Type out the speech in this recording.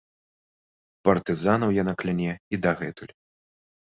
Партызанаў яна кляне і дагэтуль.